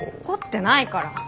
怒ってないから！